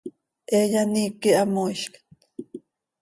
He yaniiqui hamoizct.